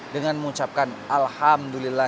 dengan mengucapkan alhamdulillah